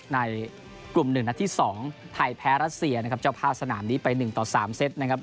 ในกลุ่มหนึ่งนัดที่สองไทยแพ้รัษเซียนะครับจะพาสนามนี้ไปหนึ่งต่อสามเซ็ตนะครับ